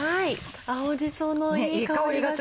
青じそのいい香りがします。